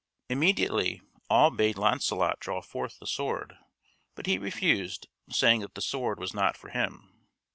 Immediately, all bade Launcelot draw forth the sword, but he refused, saying that the sword was not for him.